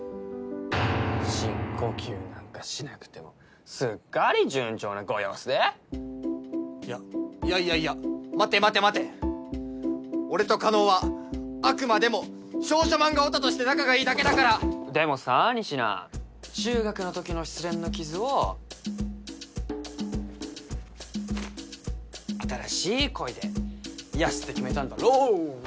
深呼吸なんかしなくてもすっかり順調なご様子でいやいやいやいや待て待て待て俺と叶はあくまでも少女漫画ヲタとして仲がいいだけだからでもさ仁科中学のときの失恋の傷を新しい恋で癒やすって決めたんだろう？